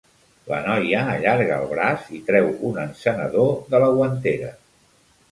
La noia allarga el braç i treu un encenedor de la guantera.